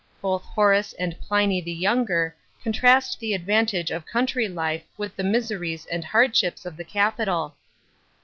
Both Horace and Pliny the Younger contrast the advantage of country life with the mis ne* and hardships of the capital.